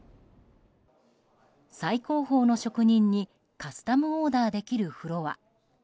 最高峰の職人にカスタムオーダーできるフロア。